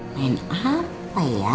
main apa ya